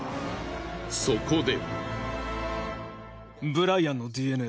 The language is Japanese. そこで。